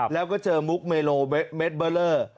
แล้วก็เจอมุกเมโลเมดเบอร์เลอร์